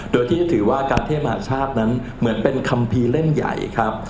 โดยที่ถือว่าการเทมหาชาตินั้นเหมือนเป็นคัมภีร์เล่นใหญ่ครับ